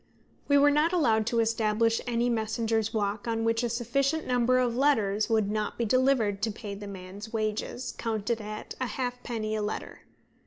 We were not allowed to establish any messenger's walk on which a sufficient number of letters would not be delivered to pay the man's wages, counted at a halfpenny a letter.